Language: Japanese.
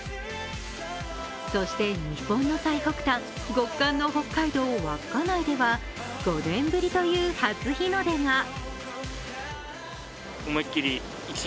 そして日本の最北端、極寒の北海道稚内では５年ぶりという初日の出が。